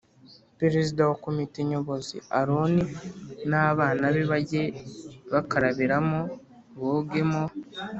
Perezida wa Komite Nyobozi Aroni n abana be bajye bakarabiramo bogemo